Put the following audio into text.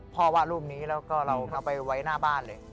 พอวาดรูปนี้เราก็เอาไปไว้หน้าบ้านเลย